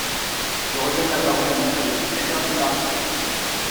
Je redonne la parole à Monsieur le secrétaire d’État.